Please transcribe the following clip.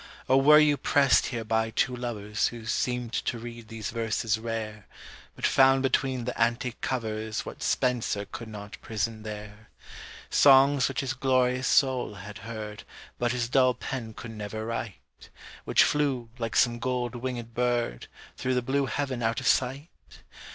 Or were you prest here by two lovers Who seemed to read these verses rare, But found between the antique covers What Spenser could not prison there: Songs which his glorious soul had heard, But his dull pen could never write, Which flew, like some gold wingèd bird, Through the blue heaven out of sight?